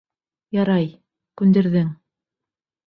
Ярай, күндерҙең!